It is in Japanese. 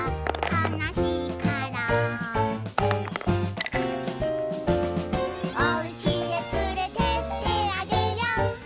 「かなしいから」「おうちへつれてってあげよ」